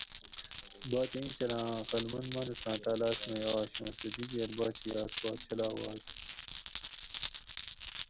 باچہ اینچھلاں ا عقل مند مانوڛاۤں تالاۤش مئی آش اُوں سہ دِگیر باچہات پا چلاوائے تہ